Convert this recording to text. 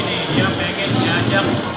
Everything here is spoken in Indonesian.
dia pengen nyajak